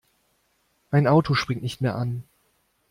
Mein Auto springt nicht mehr an.